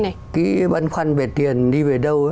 cái băn khoăn về tiền đi về đâu